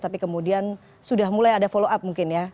tapi kemudian sudah mulai ada follow up mungkin ya